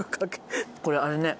これあれね。